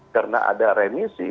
karena ada remisi